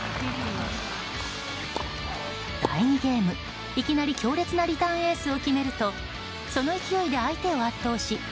第２ゲーム、いきなり強烈なリターンエースを決めるとその勢いで相手を圧倒し